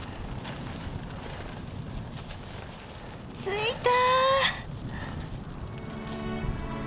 着いた。